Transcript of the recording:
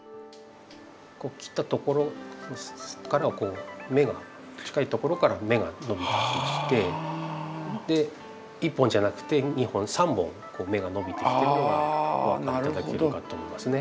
切ったところから芽が近いところから芽が伸びてきまして１本じゃなくて２本３本芽が伸びてきてるのがお分かり頂けるかと思いますね。